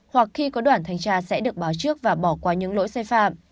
hoặc khi có đoàn thanh tra sẽ được báo trước và bỏ qua những lỗi sai phạm